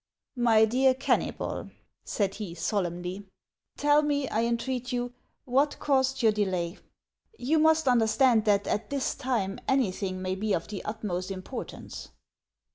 " My dear Kennybol," said he, solemnly, " tell me, I entreat you, what caused your delay. You must under stand that at this time anything may be of the utmost importance."